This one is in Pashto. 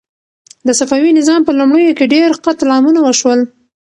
د صفوي نظام په لومړیو کې ډېر قتل عامونه وشول.